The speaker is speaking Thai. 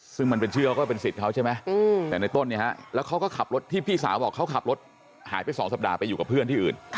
ซึ่งมันเป็นเชื่อก็เป็นสิทธิ์เขาใช่ไหมแต่ในต้นเนี่ยฮะแล้วเขาก็ขับรถที่พี่สาวบอกเขาขับรถหายไป๒สัปดาห์ไปอยู่กับเพื่อนที่อื่น